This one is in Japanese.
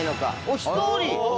おっ１人！